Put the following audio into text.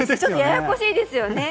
ややこしいですよね。